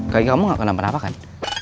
kayak kamu gak kenapa kenapa kan